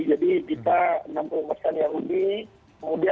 jadi kita enam puluh masjid yang mudi